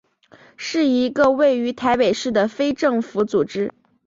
是一个位于台北市的非政府组织。